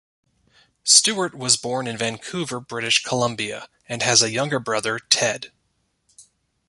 Stuart was born in Vancouver, British Columbia, and has a younger brother, Ted.